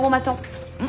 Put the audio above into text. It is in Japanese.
うん。